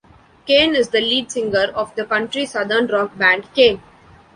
Kane is the lead singer of the country-southern rock band Kane.